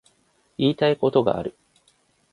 言いたいことがある